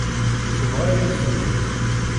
Tebɣa ad yi-temlil.